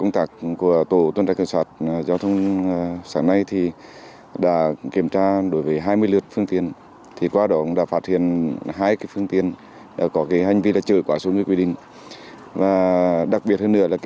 đặc biệt hơn nữa là phương tiện năm mươi f tám trăm linh một